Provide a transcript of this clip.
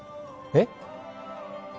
えっ？